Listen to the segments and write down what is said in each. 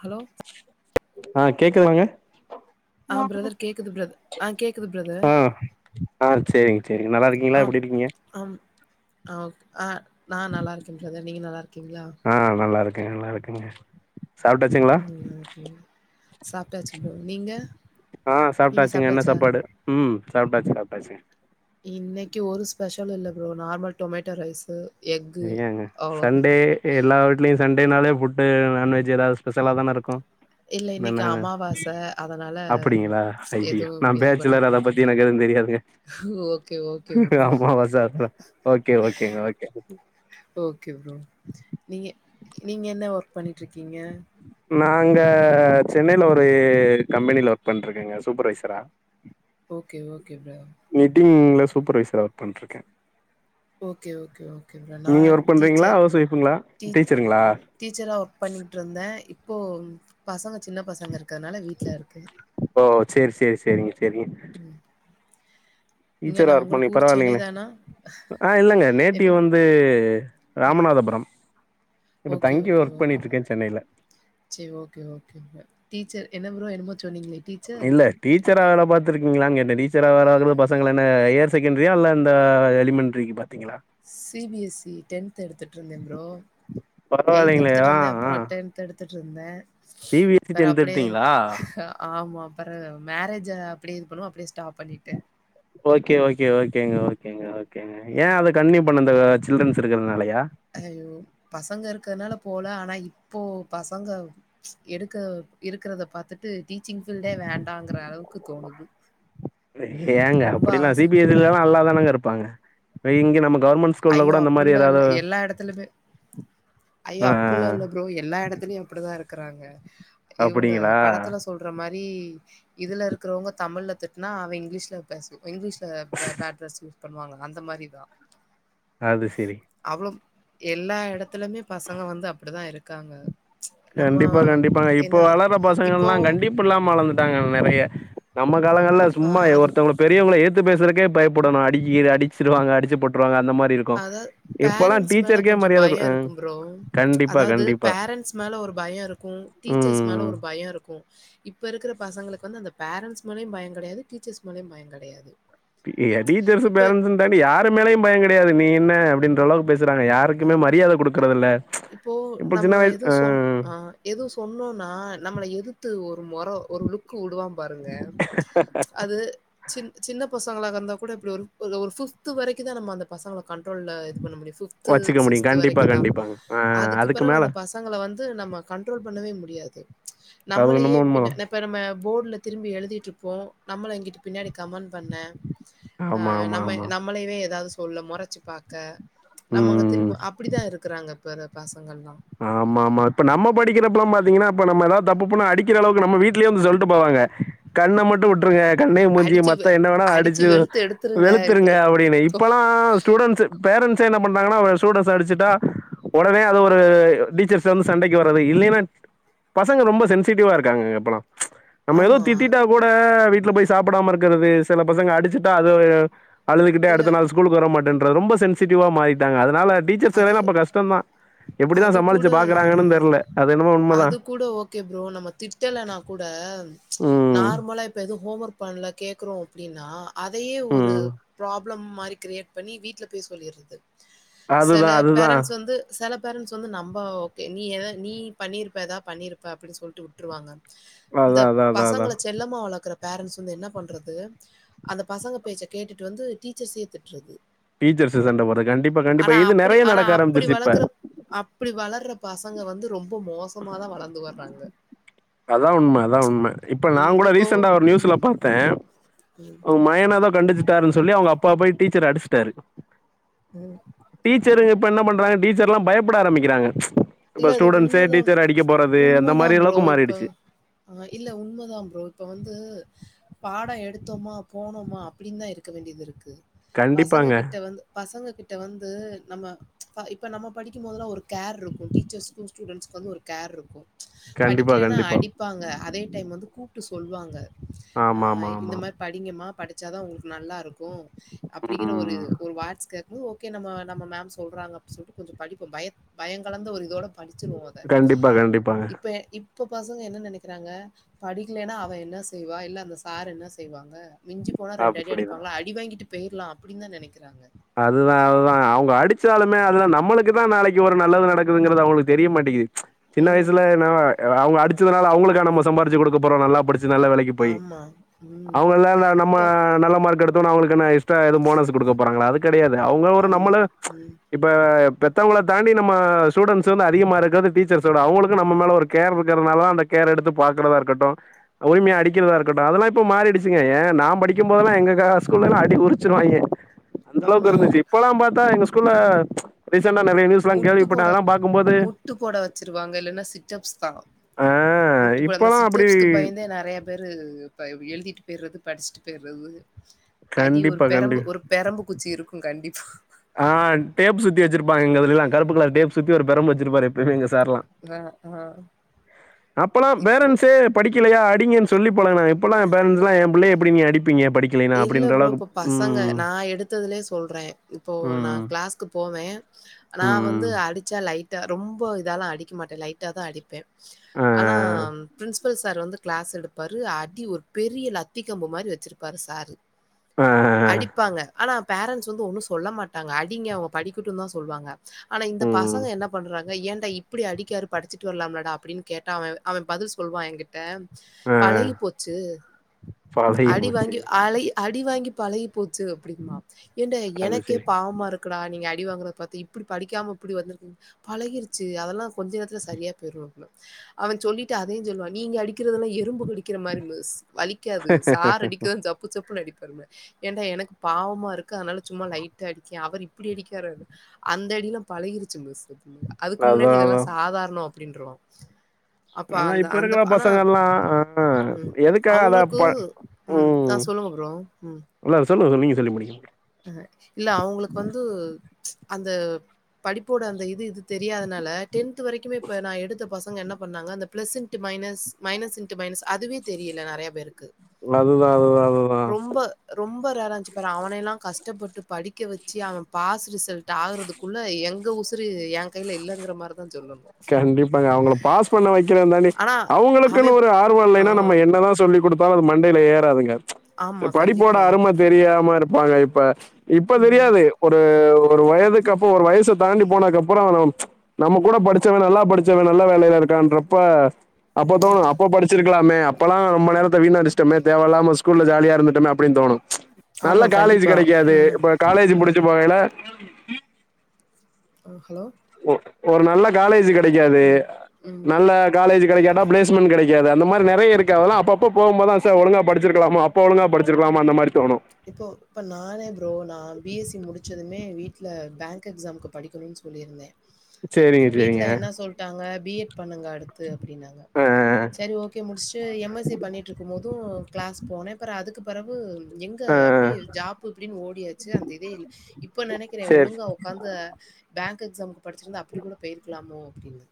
Hello ஆ கேக்குதுதாங்க ஆ பிரதர் கேக்குது பிரத ஆ கேக்குது பிரதர் ஆ ஆ சேரிங்க சேரி நல்லா ஆ இருக்கீங்களா எப்டி இருக்கீங்க ஆம் ஆ ஓக் ஆ நா நல்லா இருக்கே பிரதர் நீங்க நல்லா இருக்கீங்களா ஆ நல்லா நல்லா இருக்கேங்க சாப்ட்டாச்சுங்களா ம் நல்லாருக்கீங்களா சாப்ட்டாச்சு ப்ரோ நீங்க ஆ நீங்க சாப்ட்டாச்சுங்க என்ன சாப்ட்டாச்சா சாப்பாடு சாப்ட்டாச்சு சாப் செரி இன்னைக்கு ஒரு ஸ்பெஷலு இல்ல ப்ரோ நார்மல் டொமேட்டோ ரைசு இங்கேங்க சண்டே எல்லா வீட்லயு சண்டேனாலே ஃபுட் டு நான்வெஜ் ஏதாவது ஸ்பெஷலா தான இருக்கு இல்ல இன்னைக்கு என்னானு அமாவாச அதனால அப்டிங்களா அய்யயோ எதுவு நா இது பண்ண பேச்சுலர் அத பத்தி வேணான்ட்டாங்க எனக்கு எதுவும் தெரியாதுங்க ஓகே ஓகே ப்ரோ அமாவச அதா ஓகே ஓகேங்க ஓகே ஓகே ப்ரோ நீங்க நீங்க என்ன ஒர்க் பண்ணிட்டு இருக்கீங்க நா அங்க சென்னையில ஒரு கம்பெனில ஒர்க் பண்ணிட்ருக்கேங்க சூப்பர்வைசரா ஓகே ஓகே ப்ர மீட்டிங்ல சூப்பர்வைசரா ஒர்க் பண்ட்ருக்கே ஓகே ஓகே ஓகே ப்ரோ நா நீங்க ஒர்க் பண்றீங்களா டீச்சர் ஹவுஸ் ஒய்ஃபுங்களா டீச் டீச்சருங்களா டீச்சரா ஒர்க் பண்ணிக்கிட்ருந்த இப் போ பசங்க சின்ன பசங்க இருக்கற்த்னால வீட் ட்லருக்கே ஓ சேரி சேரி சேரிங்க சேரிங்க இங்க டீச்சரா நான் ஒர்க் பண்ணி உங்களுக்கு ஊர் சென்னை பரவாயில்லீங்களே தானா? ஆ இல்லங்க என்ன நேட்டிவ் வந்து ராமநாதபுரம் இப்ப ஓகே, தங்கி ஓகே, ஒர்க் ஓகே ப்ரோ. பண்ணிட்ருக்கே சென்னைல சரி, ஓகே, ஓகே ப்ரோ. டீச்சர் என்ன ப்ரோ என்னமோ சொன்னீங்ளே இல்ல டீ ச்சரா வேல பாத்ருக்கீங்ளான் கேட்ட டீச்சரா வேல வாக்குறது பசங்கள என்ன அயர் செகண்ட்ரியா இல்ல இந்த எலிமெண்ட்ரிக்கி both C B S C tenth எடுத்துட்ருந்தே ப்ரோ எய்த் பரவாயில்லைங்களே ஆ எடுத்துட்ருந்தே ஆ அப்பறோ டென்த் எடுத்து ட்ருந்த சி பி எஸ் சி பெற டென்த் அப்டியே எடுத்தீங்களா ஆமாம் பெறவு மேரேஜு அப்டியே இது பண்ணவு அப்டியே ஸ்டாப் பண்ணிட்ட ஓகே ஓகே ஓகேங்க ஓகேங்க ஓ கேங்க ஏ அத கன்ட்னியூ பண்ண இந்த வே சில்ட்ரன்ஸ் இருக்குறத்னாலயா அய்யயோ பசங்க இருக்கறத்னால போல ஆனா இப்போ பசங்க எடுக்க இருக்குறத பாத்து ட்டு டீச்சிங் ஃபீல்டே வேண்டாங்குற அளவுக்கு தோணுது ஏங்க ரொம்ப அப்டினா சி ஆசை. பி எஸ் சி லலா நல்லாதானங்க இருப்பாங்க அ இங்க நமக் ஐயோ அப்புட்லா இல்ல எல்லா எடத்துலமே ஐயோ ஆ அப்புட்லா இல்ல ப்ரோ எல்லா எடத்துலயு அப்டிதா இருக் க்குறாங்க இவ்ங்க அப்டிங்களா படத்துல சொல்ற மாரி இதுல இருக்கிறவ்ங்க தமிழ்ல திட்னா அவ இங்லீஷ்ல பேசு இங்லீஷ்ல பே பேட் வேர்ட்ஸ் யூஸ் பண்ணுவாங்க அந்த மாரிதா அது செரி எல்லா எடத் த்துலமே பசங்க வந்து அப்டி தா இருக் காங்க கண்டிப்பா கண்டிப்பாங்க இப்ப வளர்ற இப்போ பசங்கள்லா கண்டிப்பில்லாம வளந்துட் டாங்க நெறைய நம்மக் காலங்கள்ல அ சும்மா எ அது ஒருத்தவ்ங்ள பெரியவ்கள எதுத் த்து பேசுறதுக்கே பயப்புடணு அடிக்கி அடிச்சிருவாங்க அடிச்சு போட்டுருவாங்க இந்த மாரி இருக்கு அதாவது இப்பலா பேரண்ட்ஸ் மேல டீச்சருக்கே கொஞ்சம் மரியாத குடு பயம் உம் இருக்கும் ப்ரோ. கண்டிப்பா அதாவது கண்டிப்பா பேரண்ட்ஸ் மேல ஒரு பய இருக்கு டீச்சர்ஸ் மேல ம் ஒரு பய இருக்கு இப்ப இருக்குற பசங்களுக்கு வ ந்து அந்த பேரண்ட்ஸ் மேலயு பயங் கெடையாது டீச்சர்ஸ் மேலயு பயங் கெடையாது ஏ டீச்சர்ஸு பேரண்ட்ஸுன் தாண்டி யாரு மேலயு பயங் கெடையாது நீ என்ன அப்டின்ற ம். அளவுக்கு பேசுறாங்க யாருக்குமே மரியாத குடுக்றதில்ல இப்போ இப்ப சின்ன வய்சு அஹ் தொன்னோனா நம்மள எதுத்து ஒரு மொற ஒரு லுக்கு விடுவாம் பாருங்க அது சின் சின்ன பசங்களாக இருந்தா கூட இப்டி ஒரு எதோ ஒரு ஃபிஃப்து வரைக்கு தா நம்ம அந்த பசங்கள கண் ட்ரோல்ல இது பண்ண முடியு ஃபிஃப்து வச்சுக்க முடியும் சிக்ஸ்த்து கண்டிப்பா வரைக்குதா கண்டிப்பாங்க. ஆ அதுக்கு பெறவு மேல அந்த பசங்கள வந்து நம்ம கண்ட்ரோல் பண்ணவே முடியாது அது நம்மளயே என்னமோ பின்ன‌ உண்மதான். இப்ப நம்ம போர்ட்ல திரும்பி எழுதிட்ருப்போ நம்மள இங்கிட்டு பின்னாடி கமெண்ட் பண்ண ஆமா, ஆஹ் ஆமா, நம்ம ஆமா. நம்மளைவே எதாவ்து சொ தொல்ல மொறச்சு பாக்க நம்மங்க ம். திரும்ப அப்டிதா இருக்குறாங்க ப்ப வர பஸ் ஆமா ஆமா இப்ப நம்ம படிக்கிறப்பலா பாத்தீங்கனா டேய் நம்ம எதா தப்பு பண்ண அடிக்கிற அளவுக்கு நம்ம வீட்லே வந்து சொல்ட்டு போவாங்க கண்ண மட்டு விட்டுருங்க கண்ண மூஞ்சி அடிச்சு வெ மத்த என்ன வேணா அடிச்சு வெளுத்து எடுத்துருங்க. இது வெளுத்துருங்க அப்டின்னு தோ இப்பலா ஸ்டூடெண்ட்ஸு பேரண்ட்ஸ்லா என்ன பண்றாங்கனா ஸ்டூடெண்ஸ்ச அடிச்சுட்டா ஒடனே அது ஒரு ப்ப டீச்சர்ஸ் வந்து சண்டைக்கு வராது இல்லைன்னா பசங்க ரொம்ப சென்சிட்டிவா இருக்காங்க இப்பலாம் நம்ம எதோ ஆமா. திட்டிட்டா கூட வீட் இல போய் சாப்பிடாம இருக்கிறது சில பசங்க அடிச்சுட்டா அது அழுதுகிட்டே இல்ல அடுத்த நாள் ஸ்கூல்க்கு வர மாட்டேன் ரொம்ப சென்சிட்டிவா மாறிட்டாங்க அதனால டீச்சர்ஸ் அது வேலனா அப்ப கஷ்டம் தான் அது கூட ஹ உண்மதா அது கூட ஓகே ப்ரோ நம்ம திட்டலனா கூட ம் நார்மலா இப்ப எதுவும் ஹோம் ஒரு பண்ணல கேக்குறோம் அப்படின்னா அதையே ஒரு ம் ப்ராப் ப்ளம் மாறி கிரியேட் பண்ணி வீட்ல போய் சொல்லிருது சில அதுதா அதுதா பேரண்ட்ஸ் வந்து சில பேரண்டட்ஸ் வந்து நம்ப ஓகே நீ ஏத நீ பண்ணியிருப்ப ஏதா பண்ணிருப்ப அப்டின்னு சொல்லிட்டு விட்டுருவாங்க இந்த அதா அதா அதா அதா பசங்கள செல்லமா வளர்க்கற பேரண்ட்ஸ் வந்து என்ன பண்றது அந்த பசங்க பேச்ச கேட்டுட்டு வந்து டீச்சர்ஸே திட்றது டீச்சர்ஸ்சு சண்ட போடுறதுக் காண்டி ஆனா அப்படி ஆனா அப்படி வளக்கற அப்படி வளர்ற பசங்க வந்து ரொம்ப மோசம் உப்பம்மாதா வளந்து வர்றாங் ந்த அதா உண்ம அதா உண்ம இப்ப நாங்கூட இப்போ ரீசண்டா ம் நியூஸ்ல பாத்தே ம் அவ் மயனெதோ கண்டிச் சிட்டார்ன் சொல்லி அவங்க அப்பா பொய் டீச்சர அடிச்ட்டாரு உம் டீச்சருங்க இப்ப என்ன பண்றாங்க டீச்சர்லா பயப்பட ஆரம்பிக்கிறாங்க இல்ல இப்ப அது ஸ்டூடெண்ட்ஸே உண்மதான் டீச்சர அடிக்க போறது அந்த மாரி அளவுக்கு மாறிடுச் ஆஹ் இல்ல உண்மதா ப்ரோ இப்ப வந்து பாடொ எடுத்தொமா போனோமா அப்டின் தா இருக் க்க வேண்டியதிருக்கு பசங்க கண்டிப்பாங்க கிட்ட வந்து பசங்க கிட்ட வந்து நம்ம ஃபா இப்ப நம்ம படிக்கும்போதெல்லா ஒரு கேர் ருக்கு டீசெர்ஸ்கும் ஸ்ட்டுடென்ஸ்க வந்து ஒரு கேர் இருக்கும் கண்டிப்பா படிக்கிலேன்னா கண்டிப்பா அடிப்பாங்க அதே டைம் வந்து கூப் டு சொல்வாங்க ஆ ஆமா ஆமா இந்த ஆமா மார் படிங்கம்மா படிச் வச்சா தான் உங்ளுக் நல்லா இருக்கு ம் அப்புடிங்கிற ஒரு ம் ஒரு வாட்ஸ்கர் மு ஓகே நம்ம நம்ம மேம் சொல்றாங்கப்டின் சொல்ட்டு கொஞ்சோ படிப்போம் பயத் பயங்கலந்த ஒரு படிச்சிருவோம் அத கண்டிப்பா கண்டிப்பாங்க இப்பே இப் இப்போ பசங்க என்ன நெனக்கிறாங்க படிக்லேன்னா அவ என்ன செய்வா இல்ல அந்த சார் என்ன செய்வாங்க மிஞ்சி போனா ரெண்டடி அப்டிதா அடிப்பாங்ளா அடி வாங்கிட்டுப் பெய்ர்லாம் அப்புடின் தான் நெனைக்கிறாங்க அதுதான் அதுதான் அவுங்க அடிச்சாலுமே அதுல நம்மளுக்கு தான் நாளைக்கு ஒரு நல்லது நடக்குதுங்கறது அவுங்குளுக்கு தெரிய மாட்டிகிது சின்ன ம். வயசுல நாவா ஆ அவுங்க அடிச்சதுனால அவுங்குளுக் கா நம்ம சம்பாரிச்சி குடுக்க போறோம் நல்லா படிச்சு நல்ல வேலக்கி போய் ஆமா. ம். அவுங்கல்ல நம்ம இப்போ ஆ நல்ல மார்க் எடுத்தோனா அவுங்களுக் கென்யா யூஸ் தத்தா எதும் போனஸ் குடுக்க போறாங்களா அது கெடயாது அவுங்க ஒரு ஆமா. நம்மளே ம். இப்ப ஆ பெத்தவங்களத் தாண்டி நம்ம சூடண்ஸு வந்து அதிகமா இருக்கிறது டீச்சர்ஸோட அவுங்களுக்கு நம்ம மேல ஒரு கேர் இருக்கிறதுனால தான் அந்த கேர் எடுத்து பாக்குறதா இருக்கட்டும் உரிமேயா அடிக்கிறதா இருக்கட்டு அதெல்லாம் இப் போ மாறிடிச்சிங்க ஏன் நான் படிக்கும் போதெல்லாம் எங்க காஸ் ஸ்கூல்லெல்ல அடி உறிச்சிருவாங்கே அந்தளவுக் ஆமா. இருந்துச்சு இப்பெல்லாம் பாத்தா எங்க ஸ் கூல்ல ரிஃப் முட்டு போட முட்டு போட வச்சிருவாங்க இல்லென்னா சிட்டப்ஸ் தான் ஆ முட்டு போட அந்த இப்பல்லா அப்டி சிட்டப்ஸ்க்கு பயந்தே நறைய பேரு எழுதிட்டு பெய்ட்றது படிஸ்ட்டு பெய்ட்றது அடி ஒரு கண்டிப்பா பெரம்பு கண்டிப்பா ஒரு பெரம்பு குச்சி இருக்கும் கண்டிப் ஆ டேப்சுத்தி வச்சிருப்பாங்க எங்க இதிலெல்லாம் கருப்புக் கலர் டேப் சுத்தி ஒரு பெரம்ப வச்சிருப்பாரு எப்பெய்மே எங்க சார்லாம் அ, ஆ. அப்பெல்லாம் இப்போ பேரன்ஸ்ஸே படிக்கேலியா அடிங்கன்னு சொல்லி பலஹ்னாங் இப்பலாம் பேரன்ஸ்லா ஏன் புள்ளய எப்டி நீ அடிப் இல்ல ப்ரோ இப்ப பசங்க நான் எடுத்ததுலே சொல்றேன் போ நான் ம் கிளாஸ்க்கு போவேன் நான் வந்து ம் அடிச்சா லை ட்டா ரொம்ப இதாலாம் அடிக்க மாட்டேன் லைட்டா தான் அடிப்பேன் ஆ ஆனா பிரின்ஸபல் சார் வந்து க்ளாஸ் எடுப்பாரு அடி ஒரு பெரிய லத்தி கம்பு மாரி வச்சிருப் பாரு சாரு ஆ அடிப்பாங்க ஆனா பேரண்ட்ஸ் வந்து ஒன்னு சொல்ல மாட்டாங்க அடிங்க அவ்ங்க படிக்கட்டுன்தா சொல்வாங்க ஆனா இந்த ம் பசங்க என்ன பண்றாங் க ஏண்டா இப்டி அடிக்காரு படிச்சிட்டு வர்லாம்லடா அப்டின் கேட்டா அவன் அவெ அவெ பதில் சொல்வா ஏங்கிட்ட அ பழகி போச்சி பழயி அடி வாங்கி பழயி போச்சு அப்டிம்பா ஏன்டா அது எனக்கே சரி பாவமா இருக்குடா நீங்க அ அடி வாங்குறத பாத்தி இப்டி படிக்காம இப்டி வந்த்ரு பழகிரிச்சு அதெல்லா கொஞ்ச நேரத்ல சரியா போய்ரு அவன் சொல்லிட்டு அதையு சொல்லுவ நீங்க அடிக்கிறதெல்லா எறும்பு கடிக்கிற மாரி மிஸ் வலிக்காது சார் அடிக் சப்பு சப்புனு அடிப்ப ஏன்டா எனக்கு பாவமா இருக்கு அனால சும்மா லைட்டா அடிக்கெ அவரு இப்டி அடிக்றாரு அந்த அடிலா பழகிருச்சி மிஸ் அதுக்கு அதா முன்னாடி இதெல்லா அதா சாதார்ணொ அப்டிருவா அதா இப்ப இருக்குற பசங்கல்லா ஆ ம். எதுக்கா அதா அவங்களுக்கு ப ம் ஆ சொல்லுங்க ப்ரோ ம் இல்ல சொல்லுங்க சொ நீங்க சொல்லி முடிங்க அ இல்ல அவ்ங்களுக்கு வந்து அந்த படிப்போட அந்த இது இது தெரியாதனால டென்த்து வரைக்குமே இப்ப நா எடுத்த பசங்க என்ன பண்ணாங்க அந்த plus into minus minus into minus அதுவே தெரியல நறையா பேரு ல அதுதா அதுதா அதுதா ப ரேரா அஞ்சி பேர் அவனையெல்லா கஸ்டப்பட்டு படிக் க்க வச்சு அவ பாஸ் ரிசல்ட் ஆகுறதுக்குள்ள எங்க உசு [unintelligible] ஏ கைல இல்லங்குற மார் கண்டிப்பாங்க அவுங்கள பாஸ் பண்ண வைக்கிற தண்டி ஆனா அவுங்களுக்குன்னு அவன் ஒரு ஆர்வ ஆ இல்லைனா நம்ம என்னதா சொல்லி் குடுத் பா அது மண்டைல ஏறாதுங்க எ ஆமா படிப்போட கண்டிப்பா. அரும ம், தெரியாம இருப்பாங்க இப் ப இப்ப ம், தெரியாது ஒரு ஒரு வயதுக்கு அப்போ ஒரு வயசு தாண்டி போனதுக்கு அப்புறொ நம்ம கூட படிச் ச்சவ நல்லா படிச்சவ நல்ல வேலைல இருக்கான்றப்ப அப்ப ம். தோணு அப்ப படிச்சிருக்லாமே அப்பலா நம்ம நேரத்த வீண் அடிச்டொமே தேவலாம ஸ்கூல்ல ஜாலியா இருந்துட்டொமெ அப்டின் தோணு ஆமா நல்லா காலேஜி கண்டிப்பா. கெடைக்காது ம், அப்ப காலேஜி ம். முடிச்சி போகைல ஆ ஹலோ ஒ ஒரு நல்ல காலேஜ்ஜூ கா டைக்காது ம், ம். நல்ல காலேஜ் கடைக்காட்டா ப்ளேஸ்மென்ட் கிடைக்காது அந்த மாரி நிறைய இருக்கு அதெல்லாம் அப்பப்ப போம் போதெல்லாம் ச ஒழுங்கா படிச்சு சிருக்கலாம அப்ப ஒழுங்கா படிச்சிருக்கலாமோ அந்த மாதி இப்போ இப்ப நானே ப்ரோ நான் பி எஸ் சி முடிச் ச்சதுமே வீட்ல பேங்க் எக்ஸாம்க்கு படிக்கணும்னு சொல்லியிருந்தேன் சேரிங்க வீட்ல சேரிங்க என்ன சொல்ட்டாங்க பி எட் பண்ணுங்க அடுத்து அப்படின்னாங்க ஆ சரி ஓகே முடிச்சுட்டு எம் எஸ் சி பண்ணிட்டு இருக்கும் போதும் கிளாஸ் போனேன் அப்புறம் அதுக்கு பிறவு ஆ அப்படி ஆ ஜாப் இப்டின்னு ஓடியாச்சு அந்த இதே இல்ல இப்ப நினைக்கிறேன் சேரி ஒழுங்கா உக்கார்ந்து பேங்க் எக்ஸாம்க்கு படிச்சிருந்தா அப்டி கூட போயிருக்கலாமோ அப்படின்னு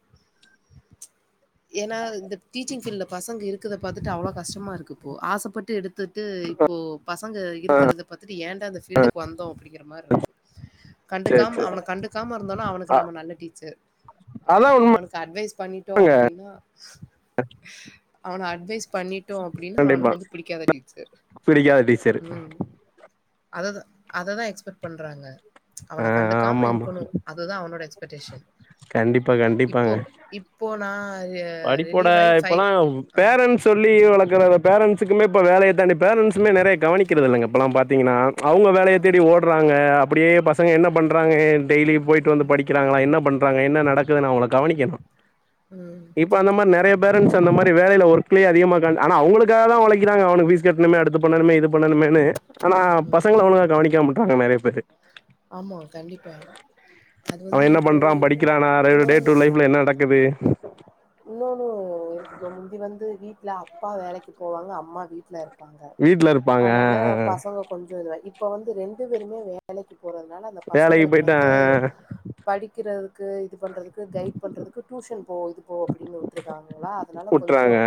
ஏன்னா இந்த டீச்சிங் ஃபீல்டுல பசங்க இருக்கதை பாத்துட்டு அவ்ளவு கஷ்டமா இருக்கு இப்போ ஆசப்பட்டு எடுத்துட்டு இப்போ பசங்க இருக்கிறத பாத்திட்டு ஏன்டா அந்த ஃபீல்டுக்கு வந்தோம் அப்படிங்கிற மாரி இருக்கு சேரி கண்டுக்காம சேரி அவன கண்டுக்காம இருந்தனா அவனுக்கு அ நம்ம நல்ல டீச்சர் அதா உண்ம அவனுக்கு அட்வைஸ் பண்ணிட்டோம் அப்டின்னா அவன அட்வைஸ் பண்ணிட்டோம் அப்படின்னா கண்டிப்பா அவனுக்கு வந்து பிடிக்காத டீச்சர் பிடிக்காத டீச்சரு உம் அதான் அததான் எக்ஸ்பெக்ட் பண்றாங்க ஆ அவன கண்டுக்காம ஆமா ஆமா இருக்கணும் அதுதான் அவனோட எக்ஸ்பெக்டேஷன் கண்டிப்பா இப்போ கண்டிப்பாங்க இப்போ நான் ரி படிப்போட ரிலீவ் ஆயி இப்பலா ஆ, பேரண்ட்ஸ் சொல்லி வளக் நெறைய பேரண்ட்ஸுக்குலா இப்ப வேலையே இப்ப அந்த பேரண்ட்ஸுல நெறைய கவனிக்கிறது இல்லைங்க இப்பலா பாத்தீங்கனா அவ்ங்க வேலைய ஆ. தேடி ஓட்றாங்க அப்டியே பசங்க என்ன பண்றாங்கன் டெய்லி போயிட்டு வந்து படிக்றாங்ளா என்ன பண் றாங்க என்ன நடக்குதுனு அவ்ங்க கவனிக்கணும் உம் இப்போ அந்த மாரி நெறைய பேரண்ட்ஸ் அந்த மாரி வேலைல ஒர்க்லே அதிகமாக டைம் ஆன அவ்ங்களுக்காகதா ஒழைக்கிறாங்க அவனுக்கு ஃபீஸ் கட்ணுமே அடுத்து பண்ணனுமே இது பண்ணனுமேனு ஆனா ம். பசங்கள அவ்ளவா கவனிக்காம மட் நாங்கள் நெறைய பேரு ஆமா, கண்டிப்பா. அது அவ வந்து என்ன இப்போ பண்றா படிக்கிறானாரை டே டு லைஃப்ல என்ன நடக்குது இன்னோன்னு கொஞ்ச முந்தி வந்து வீட் ட்ல அப்பா வேலைக்கு போவாங்க அம்மா வீட்ல இருப் பாங்க வீட்ல இருப்பாங்க ஆ அதனால ஆ ஆ பசங்க கொஞ்ச இதுவா இப் இப்ப வந்து ரெண்டு பேருமே வேலைக்கு போறதுனால அந்த வேலைக்கு பசங்களுக்கு போயிட்டு ஆ வந்து ஆ ஆ படிக்கிற க்கு இது பண்றதுக்கு கைட் பண்றதுக்கு டியூஷன் போ போ அப்படின்னு விட்டுருதாங்களா அதனால உட்றாங்க கொஞ்சம்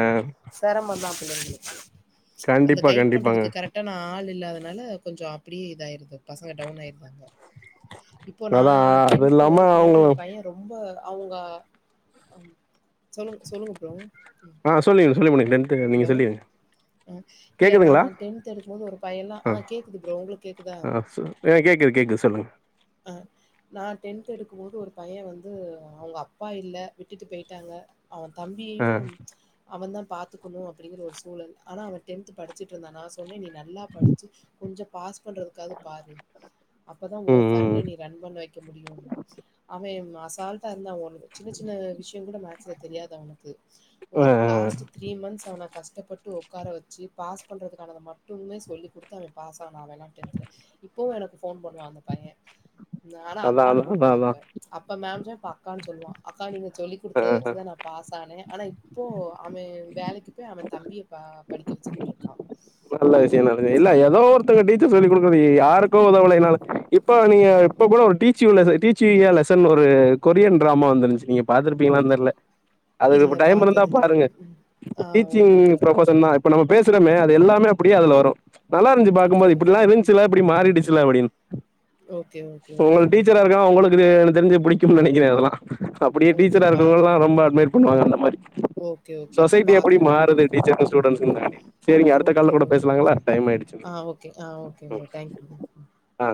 சிரமந்தான் [inaudible] அந்த கண்டிப்பா கைட் கண்டிப்பாங்க பண்றதுக்கு கரெக்டானா ஆளு இல்லாதனால கொஞ்சம் அப்படியே இதாயிருது பசங்க டவுன் ஆயிருதாங்க இப்போ நா அதா அது டென்த் இல்லாம எடுக்கும் போது அவங்க ஒரு பையன் ரொம்ப அவுங்க சொல்லுங்க சொல்லுங்க ப்ரோ [unintelligible] ஹலோ சொல்லிருங்க ஆ இல்ல நா கேக்குதுங்களா டென்த் எடுக்கும் போது ஒரு பையன ஆ கேக்குது ப்ரோ உங்களுக்கு கேக்குதா ஆ சொ ஆ கேக்குது கேக்குது சொல்லுங்க அ நா டென்த் எடுக்கும் போது ஒரு பையன் வந்து அவங்க அப்பா இல்ல விட்டுட்டு போயிட்டாங்க அவன் ஆ தம்பியு அவெந்தா பாத்துக்கணு அப்படிங்கிற ஒரு சூழல் ஆனா அவே டென்த் படிச்சுட்ருந்தான் நா சொன்னே நீ நல்லா படிச்சு கொஞ்சம் பாஸ் பண்றதுக்காவது பாரு அப்பதா ஓ ம் ம் ஃபேமிலிய நீ ரன் பண்ண வைக்க முடியும் அவே அசால்ட்டா இருந்தா ஒ சின்ன சின்ன விஷயம் கூட ம சுல தெரியாது அவனுக் கு ஒரு ஆ லாஸ்ட் த்ரீ மந்த்ஸ் அவன கஷ் ட்டப்பட்டு உட்கார வச்சு பாஸ் பண்றதுக்கானது மட்டுமே சொல்லிக் கொடுத்து அவன் பாஸ் ஆனா அவேலா டென்த்ல இப்போவு எனக்கு ஃபோன் பண்ணுவா அந்த பையே ஆனா அதா அக்கான்னு அதா அதா கூப்டுவா அதா இப்ப அப்ப மேம் ச இப்ப அக்கானு சொல்லுவான் அக்கா நீங்க சொல்லிக் குடுத்தத ஆ வச்சுதா நா பாஸ் ஆனே ஆனா இப்போ அவன் வேலைக்கு போய் அவன் தம்பிய ப படிக்க வச்சுக்கிட்ருக்கான் நல்ல விஷயோ நடந்து இல்ல ஏதோ ஒருத்தங்க டீச்சர் சொல்லி் கொடுக்குறது யாருக்கோ உதவுலைனாலு இப்ப நீங்க இப்ப கூட ஒரு டீச்சியு லெச டீச்சி் எ லெசன் ஒரு கொரியன் டிராமா வந்துருந்துச்சு நீங்க பாத்துருப்பீங்களான் தெரில அதுக்கு இல்ல இப்ப டைம் இருந்தா பார்த்தது இல்ல ப்ரோ. பாருங்க ம். ஆ டீச்சிங் ஓகே ப்ரோ. ப்ரொஃபஷன் தா இப்ப நம்ம பேசுறமே அது எல்லாமே அப்படியே அதுல வரும் நல்லா இருந்துச்சு பாக்கும் ஓகே, போது ஓகே. இப்டில்லா ம். இருஞ்சில்ல இப்டி மாறிடிச் சு அப்டின்னு ஓகே ஓகே ஓகேங்க இல்ல எனக்கு தெரிஞ்சு இப்டி கெடைக்கல இதுவர அப்டியே ஓகே டீச்சரா பா இருக்கவ்ங்கலா ரொம்ப அட்மைர் பண்ணுவாங்க அந்த மாரி ஓகே, ஓகே. அப்ப சொசைட்டி எப்டி பார்க்குறேன் ப்ரோ. மாறுது டீச்சர்க்கு ஸ்டுடென்ட்ஸ்கு காண்டி சேரிங்க அடுத்த கால்ல கூடொ கொ ஆ ஓகே ஆ ம் ஓகேங்க தேங்க் ஆ